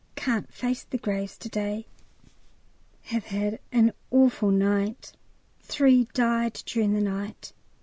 Can't face the graves to day; have had an awful night; three died during the night.